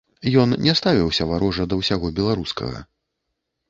Ён не ставіўся варожа да ўсяго беларускага.